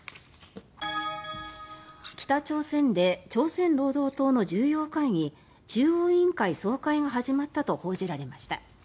北朝鮮で朝鮮労働党の重要会議中央委員会総会が始まったと報じられました。